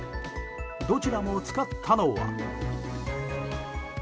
どちらも使ったのは。